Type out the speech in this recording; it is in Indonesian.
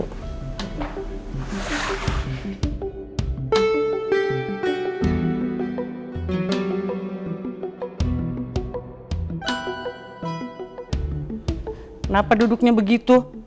kenapa duduknya begitu